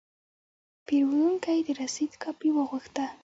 پیرودونکی د رسید کاپي وغوښته.